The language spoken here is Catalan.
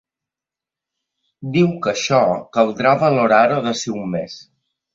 Diu que això caldrà valorar-ho d’ací a un mes.